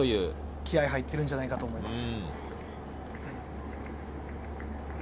気合入っているんじゃないかと思います。